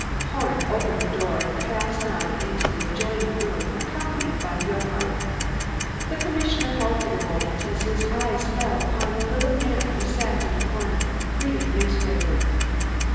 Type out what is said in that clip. Horn opened the door and passed on into the adjoining room, accompanied by Johann. The commissioner halted a moment as his eyes fell upon a little man who sat in the corner reading a newspaper.